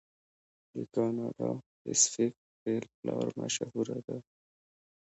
د کاناډا پیسفیک ریل لار مشهوره ده.